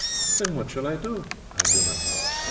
Then what shall I do? I do not know.